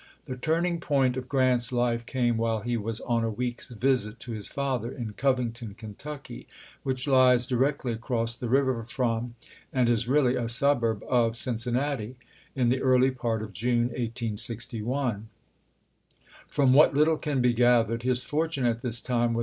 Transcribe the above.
The turning point of Grant's life came while he was on a week's \dsit to his father in Covington, Ken tucky (which lies dii^ectly across the river from, and is really a suburb of, Cincinnati), " in the early part of June," 1861. From what little can be gath ered, his fortune at this time was